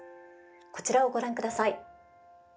こちらをご覧ください。